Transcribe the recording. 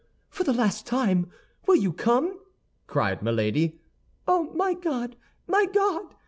"For the last time, will you come?" cried Milady. "Oh, my God, my God!